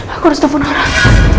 aku harus telfon orang